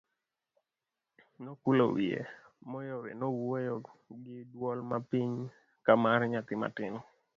Nokulo wiye, Moyowe nowuoyo gi duol mapiny kamar nyathi matin.